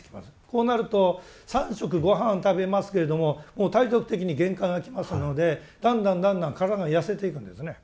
こうなると三食ごはん食べますけれどももう体力的に限界がきますのでだんだんだんだん体が痩せていくんですね。